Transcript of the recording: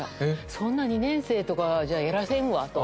そんな２年生とかじゃやらせんわと。